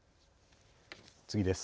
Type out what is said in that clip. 次です。